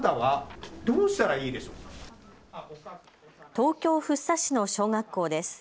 東京福生市の小学校です。